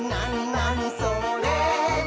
なにそれ？」